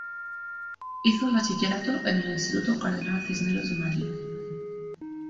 Hizo el bachillerato en el Instituto Cardenal Cisneros de Madrid.